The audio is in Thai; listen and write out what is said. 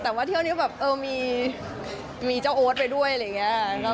แต่ว่าเที่ยวนี้แบบเออมีเจ้าโอ๊ตไปด้วยอะไรอย่างนี้